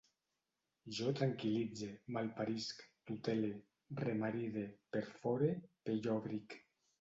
Jo tranquil·litze, malparisc, tutele, remaride, perfore, pellòbric